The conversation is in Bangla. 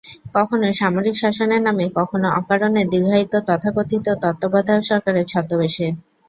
কখনো সামরিক শাসনের নামে, কখনো অকারণে দীর্ঘায়িত তথাকথিত তত্ত্বাবধায়ক সরকারের ছদ্মবেশে।